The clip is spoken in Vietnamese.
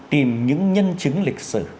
tìm những nhân chứng lịch sử